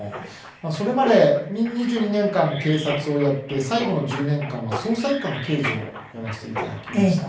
それまで２２年間警察をやって最後の１０年間は捜査一課の刑事をやらせて頂きました。